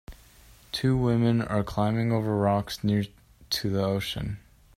Two women are climbing over rocks near to the ocean.